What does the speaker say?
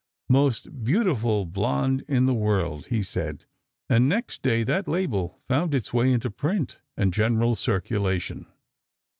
"Most beautiful blonde in the world," he said, and next day that label found its way into print and general circulation.